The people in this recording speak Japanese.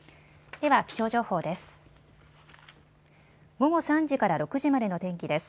では気象情報です。